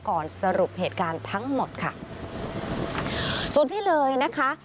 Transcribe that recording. สรุปเหตุการณ์ทั้งหมดค่ะส่วนที่เลยนะคะ